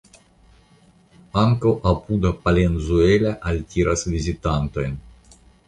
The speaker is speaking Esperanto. Ankaŭ apuda Palenzuela altiras vizitantojn.